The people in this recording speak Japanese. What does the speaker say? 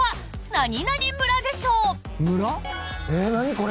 何これ！